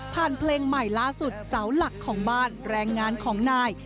เพลงใหม่ล่าสุดเสาหลักของบ้านแรงงานของนาย